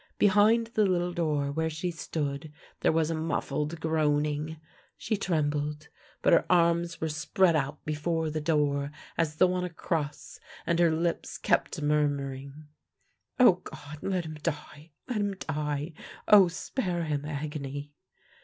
Behind the little door where she stood there was a muffled groaning. She trembled, but her arms were spread out before the door as though on a cross, and her lips kept murmuring: " Oh, God, let him die! Let him die! Oh, spare him agony!